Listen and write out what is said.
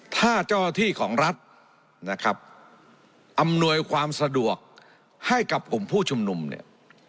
ถ้าเจ้าหน้าที่ของรัฐนะครับอำนวยความสะดวกให้กับกลุ่มผู้ชุมนุมเนี่ย